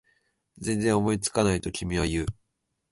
全然思いつかない？と君は言う